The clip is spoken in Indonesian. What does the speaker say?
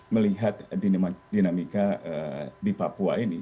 melihat dinamika di papua ini